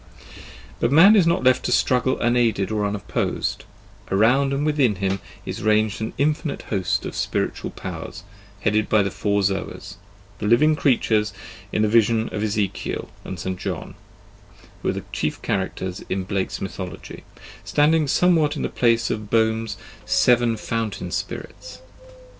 But man is not left to struggle unaided or unopposed; around and within him is ranged an infinite host of spiritual powers, headed by the four Zoas, the living creatures in the vision of Ezekiel and of Saint John, who are the chief characters in Blake's mythology, standing somewhat in the place of Boehme's seven Fountain spirits.